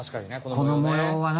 この模様はな。